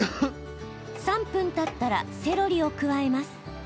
３分たったら、セロリを加えます。